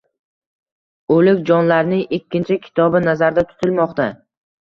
O’lik jonlarning ikkinchi kitobi nazarda tutilmoqda.